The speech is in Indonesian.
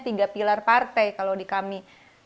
tiga pilar partai kalau di kami